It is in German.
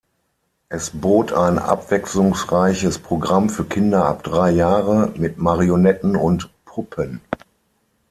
Es bot ein abwechslungsreiches Programm für Kinder ab drei Jahre mit Marionetten und Puppen.